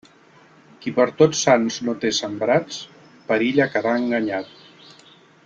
Qui per Tots Sants no té sembrats, perilla quedar enganyat.